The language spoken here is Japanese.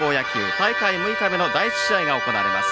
大会６日目の第１試合が行われます。